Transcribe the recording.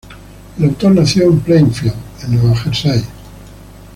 El autor nació en Plainfield, en Nueva Jersey.